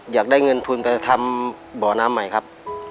อยากได้เงินทุนไปทำบ่อน้ำใหม่ครับ